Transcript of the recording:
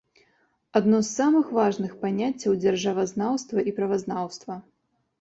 Адно з самых важных паняццяў дзяржавазнаўства і правазнаўства.